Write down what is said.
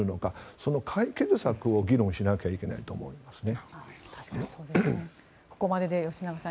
その解決策を議論しないといけないと思うんですね。